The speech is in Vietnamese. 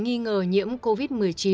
nghi ngờ nhiễm covid một mươi chín